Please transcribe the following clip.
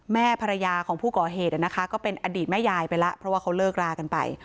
แม่ภรรยาของผู้ก่อเหตุนะคะก็เป็นอดีตแม่ยายไปแล้วเพราะว่าเขาเลิกรากันไป